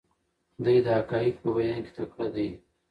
دی د حقایقو په بیان کې تکړه دی.